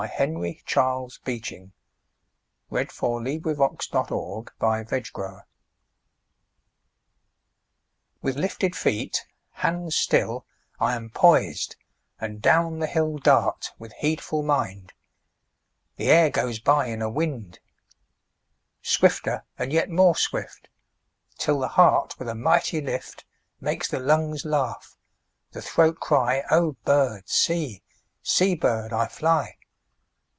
Henry Charles Beeching. 1859–1919 856. Going down Hill on a Bicycle A BOY'S SONG WITH lifted feet, hands still, I am poised, and down the hill Dart, with heedful mind; The air goes by in a wind. Swifter and yet more swift, 5 Till the heart with a mighty lift Makes the lungs laugh, the throat cry:— 'O bird, see; see, bird, I fly.